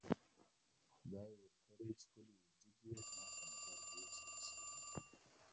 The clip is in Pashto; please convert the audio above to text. خدای ورکړی ښکلی وجود یې زما په نظر ډېر ښه ایسېده.